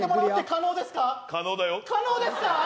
可能ですか？